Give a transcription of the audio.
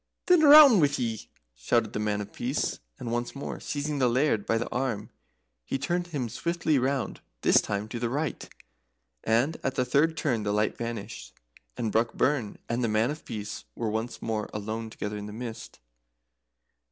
"Then roun' wi' ye!" shouted the Man of Peace; and once more seizing the Laird by the arm, he turned him swiftly round this time, to the right and at the third turn the light vanished, and Brockburn and the Man of Peace were once more alone together in the mist.